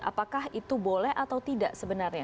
apakah itu boleh atau tidak sebenarnya